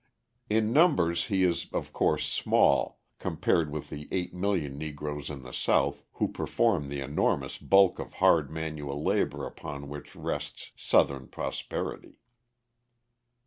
In numbers he is, of course, small, compared with the 8,000,000 Negroes in the South, who perform the enormous bulk of hard manual labour upon which rests Southern prosperity.